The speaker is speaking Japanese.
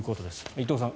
伊藤さん